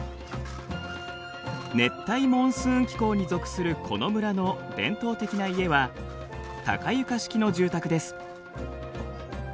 熱帯モンスーン気候に属するこの村の伝統的な家は高床式の住宅です。